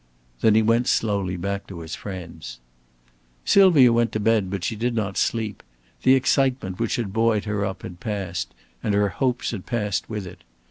Then he went slowly back to his friends. Sylvia went to bed, but she did not sleep. The excitement which had buoyed her up had passed; and her hopes had passed with it.